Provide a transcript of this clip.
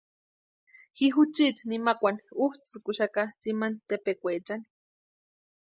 Ji juchiti nimakwani útsïkuxaka tsimani tepekwaechani.